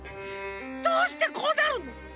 どうしてこうなるの！？